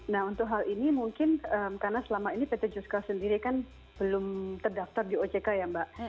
nah untuk hal ini mungkin karena selama ini pt juska sendiri kan belum terdaftar di ojk ya mbak